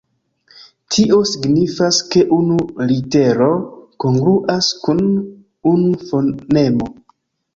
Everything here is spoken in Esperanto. Tio signifas ke unu litero kongruas kun unu fonemo.